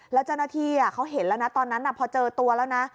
แล้วเจ้าหน้าที่เขาเห็นแล้วนะตอนนั้นพอเจอตัวแล้วนะ